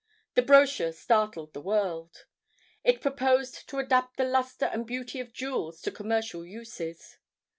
The brochure startled the world. It proposed to adapt the luster and beauty of jewels to commercial uses.